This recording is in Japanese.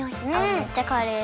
めっちゃカレー。